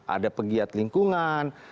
ada pegiat lingkungan